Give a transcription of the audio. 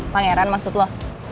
pangeran maksud lo